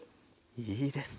いいですね。